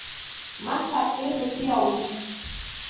Massapê do Piauí